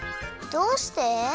どうして？